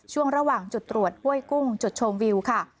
ช่วงระหว่างจุดตรวจห้วยกุ้งจุดชมวิวค่ะ